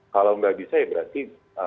kalau nggak bisa ya berarti